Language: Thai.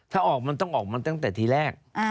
ถ้าออกมันต้องออกมาตั้งแต่ทีแรก